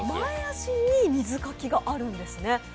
前足に水かきがあるんですね。